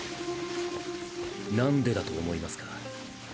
何でだと思いますか。